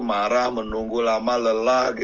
marah menunggu lama lelah